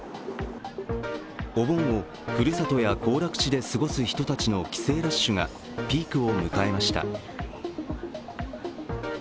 お盆をふるさとや行楽地で過ごす人たちの帰省ラッシュがピークを迎えました。